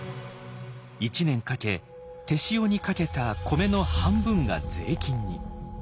一年かけ手塩にかけた米の半分が税金に。